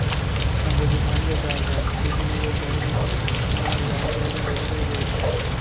সম্প্রতি সেখানকার জায়গা কৃষি বিভাগ দখল নেওয়ায় ব্যবসায়ীরা বেকার হয়ে পড়েছেন।